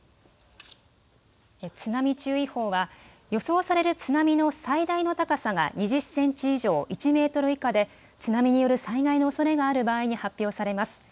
津波注意報は予想される津波の最大の高さが２０センチ以上１メートル以下で津波による災害のおそれがある場合に発表されます。